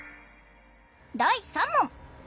第３問！